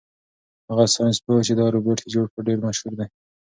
هغه ساینس پوه چې دا روبوټ یې جوړ کړ ډېر مشهور دی.